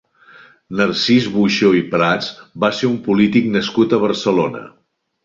Narcís Buxó i Prats va ser un polític nascut a Barcelona.